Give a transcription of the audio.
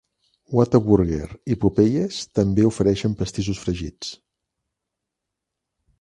Whataburger i Popeyes també ofereixen pastissos fregits.